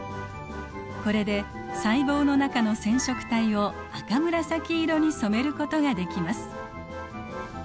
これで細胞の中の染色体を赤紫色に染めることができます。